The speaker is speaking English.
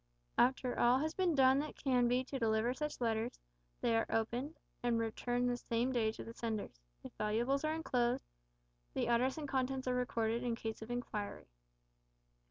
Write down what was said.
After all has been done that can be to deliver such letters, they are opened, and returned the same day to the senders. If valuables are enclosed, the address and contents are recorded in case of inquiry.